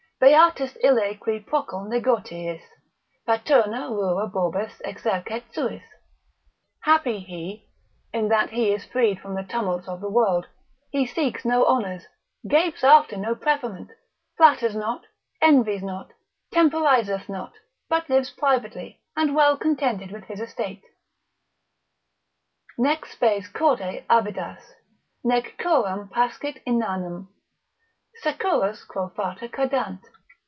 Beatus ille qui procul negotiis Paterna rura bobus exercet suis. Happy he, in that he is freed from the tumults of the world, he seeks no honours, gapes after no preferment, flatters not, envies not, temporiseth not, but lives privately, and well contented with his estate; Nec spes corde avidas, nec curam pascit inanem Securus quo fata cadant.